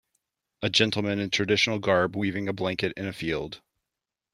A gentleman in traditional garb weaving a blanket in a field.